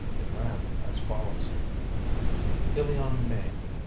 It ran as follows: "ILION, MAINE.